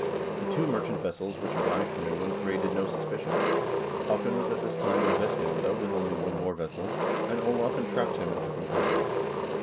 The two merchant vessels which arrived from England created no suspicion. Haakon was at this time in Vestlandet with only one war vessel, and Olav entrapped him and took him prisoner.